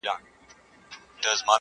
څه به کوو؟،